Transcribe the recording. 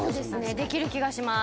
できる気がします。